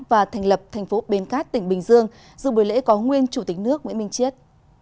và thành lập thành phố bến cát tỉnh bình dương dù buổi lễ có nguyên chủ tịch nước nguyễn minh chiết